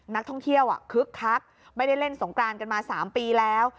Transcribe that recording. นักท่องเที่ยวคึกคักไม่ได้เล่นสงกรานกันมา๓ปีแล้ว